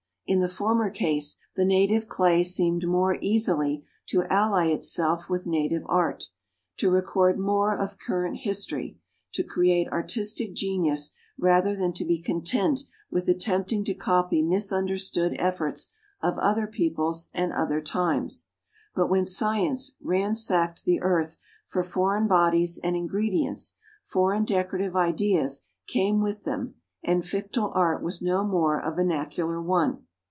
In the former case the native clay seemed more easily to ally itself with native art, to record more of current history, to create artistic genius rather than to be content with attempting to copy misunderstood efforts of other peoples and other times. But when science ransacked the earth for foreign bodies and ingredients, foreign decorative ideas came with them and Fictile Art was no more a vernacular one.